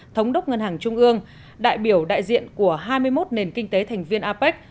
thống đốc ngân hàng trung ương đại biểu đại diện của hai mươi một nền kinh tế thành viên apec